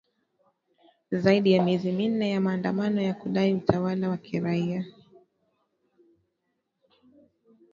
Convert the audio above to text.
zaidi ya miezi minne ya maandamano ya kudai utawala wa kiraia